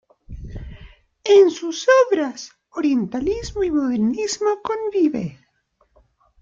En sus obras, orientalismo y modernismo convive.